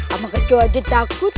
amang kecoa aja takut